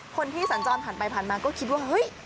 คนที่สัญจรผันมาก็คิดว่าเฮ่ย